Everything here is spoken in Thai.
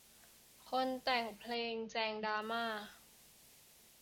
คนแต่งเพลงแจงดราม่า